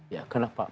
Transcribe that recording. ya kenapa pak